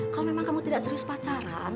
kalau memang kamu tidak serius pacaran